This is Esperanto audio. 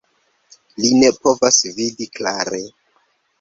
Li ne povas vidi klare.